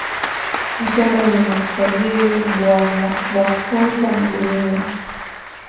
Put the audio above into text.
Mashamba ni butajiri bwa kwanza mu dunia